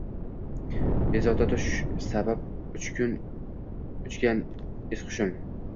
Bezovta tush sabab uchgan es-hushim